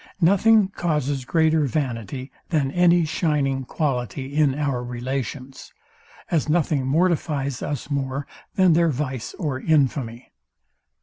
Nothing causes greater vanity than any shining quality in our relations; as nothing mortifies us more than their vice or infamy.